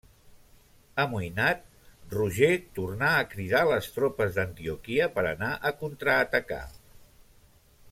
Amoïnat, Roger tornà a cridar les tropes d'Antioquia per anar a contraatacar.